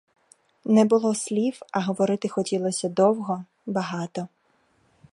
Не було слів, а говорити хотілося довго, багато.